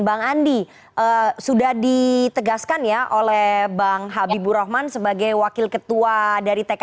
bang andi sudah ditegaskan ya oleh bang habibur rahman sebagai wakil ketua dari pkb